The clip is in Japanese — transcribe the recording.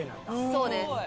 そうです。